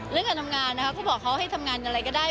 เรื่องการทำงานเขาบอกเขาให้ทำงานอะไรก็ได้